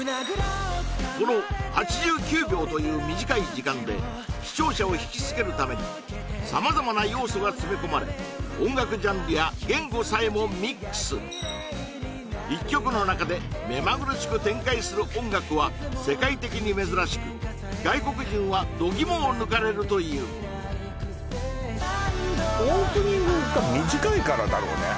この８９秒という短い時間で視聴者をひきつけるために様々な要素が詰め込まれ音楽ジャンルや言語さえもミックス１曲の中で目まぐるしく展開する音楽は世界的に珍しく外国人は度肝を抜かれるというオープニングが短いからだろうね